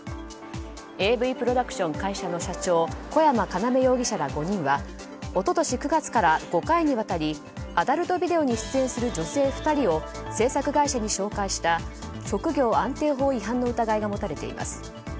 ＡＶプロダクション会社の社長小山要容疑者ら５人は一昨年９月から５回にわたりアダルトビデオに出演する女性２人を制作会社に紹介した職業安定法違反の疑いが持たれています。